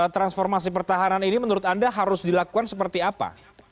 transformasi pertahanan ini menurut anda harus dilakukan seperti apa